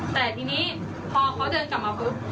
แต่ทีนี้พอเขาเดินกลับมาปุ๊บ